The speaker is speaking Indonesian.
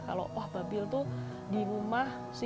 kalau babil di rumah sibuk